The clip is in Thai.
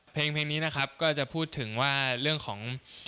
เพลงนี้นะครับก็จะพูดถึงว่าเรื่องของ